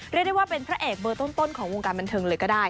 เรียกได้ว่าเป็นพระเอกเบอร์ต้นของวงการบันเทิงเลยก็ได้